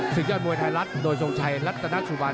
ศึกยอดมวยไทยรัฐโดยทรงชัยรัฐตนชุบาล